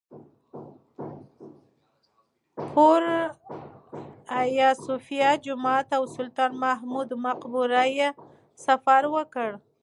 پر ایا صوفیه جومات او سلطان محمود مقبره یې سفر وکړ.